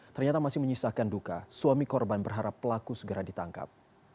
ternyata masih menyisakan duka suami korban berharap pelaku segera ditangkap